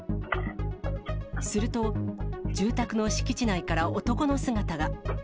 すると、住宅の敷地内から男の姿が。